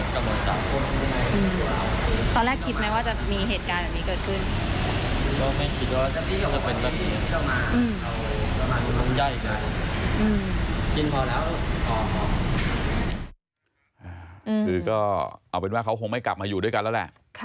คือก็เอาเป็นว่าเขาคงไม่กลับมาอยู่ด้วยกันแล้วแหละ